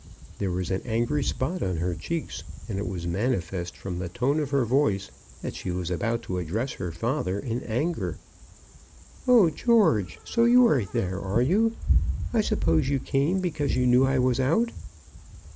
There was an angry spot on her cheeks, and it was manifest from the tone of her voice that she was about to address her father in anger. "Oh, George; so you are there, are you? I suppose you came, because you knew I was out."